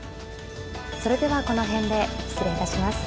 それではこの辺で失礼いたします。